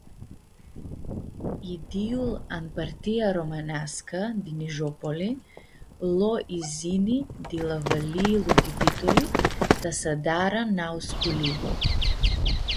Idyul an partia romãneascã di Nijopoli lo izini di la valiilu di Bituli ta s-adarã nau sculii.